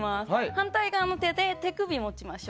反対側の手で手首を持ちます。